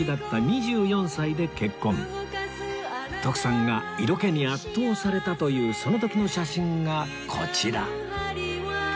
徳さんが色気に圧倒されたというその時の写真がこちら